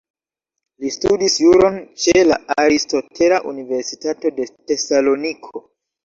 Li studis juron ĉe la Aristotela Universitato de Tesaloniko.